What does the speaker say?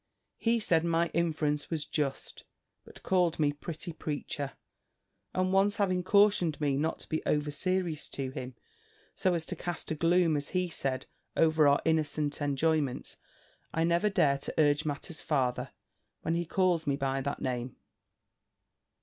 "He said, my inference was just; but called me pretty preacher; and once having cautioned me not to be over serious to him, so as to cast a gloom, as he said, over our innocent enjoyments, I never dare to urge matters farther, when he calls me by that name."